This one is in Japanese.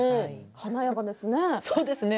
華やかですね。